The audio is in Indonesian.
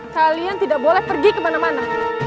kalian tidak boleh pergi kemana mana